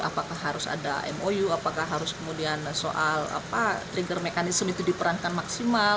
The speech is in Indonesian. apakah harus ada mou apakah harus kemudian soal trigger mechanism itu diperankan maksimal